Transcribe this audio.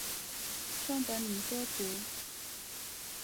圣德尼多图。